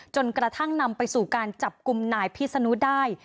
จนกระทั่งนำไปสู่การจับกลุ่มนายพิษนุได้